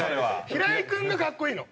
平井君がかっこいいの。